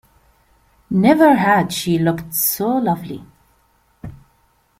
Never had she looked so lovely.